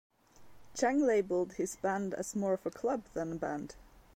Cheng labeled his band as more of a club than a band.